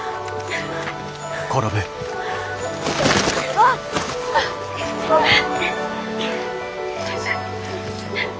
わあ！あっごめん！